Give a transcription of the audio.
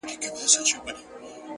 په مسجد او په مندر کي را ايثار دی;